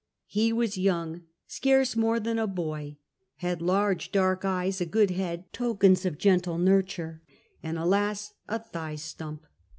He was young, scarce more than a boy; had large, dark eyes, a good head — tokens of gentle nurtu re — and alas! a thigh stump.